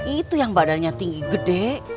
itu yang badannya tinggi gede